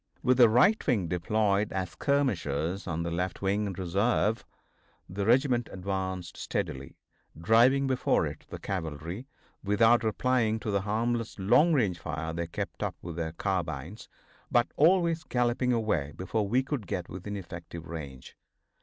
With the right wing deployed as skirmishers and the left wing in reserve, the regiment advanced steadily, driving before it the cavalry, without replying to the harmless long range fire they kept up with their carbines, but always galloping away before we could get within effective range.